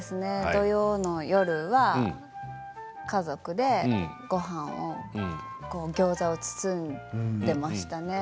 土曜の夜は家族でごはんをギョーザを包んでましたね。